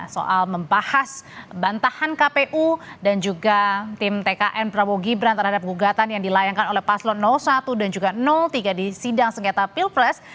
soal membahas bantahan kpu dan juga tim tkn prabowo gibran terhadap gugatan yang dilayangkan oleh paslon satu dan juga tiga di sidang sengketa pilpres